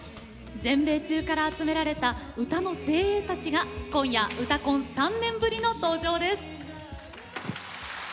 全米中から集められた歌の精鋭たちが今夜「うたコン」３年ぶりの登場です。